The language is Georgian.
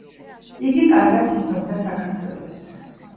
იგი კარგად იცნობდა საქართველოს.